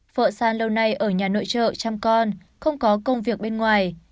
vợ xa lâu nay ở nhà nội trợ chăm con không có công việc bên ngoài